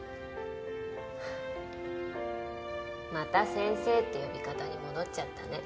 また「先生」って呼び方に戻っちゃったね